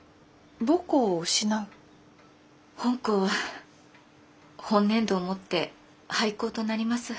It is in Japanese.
本校は本年度をもって廃校となります。